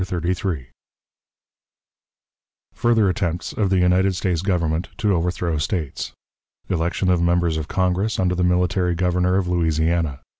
] CHAPTER XXXIII. Further Attempts of the United States Government to overthrow States. Election of Members of Congress under the Military Governor of Louisiana.